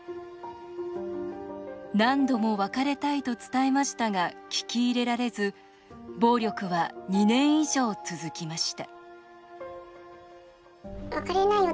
何度も別れたいと伝えましたが聞き入れられず暴力は２年以上続きました